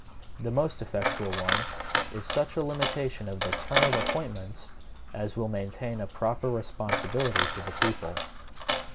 The most effectual one, is such a limitation of the term of appointments as will maintain a proper responsibility to the people.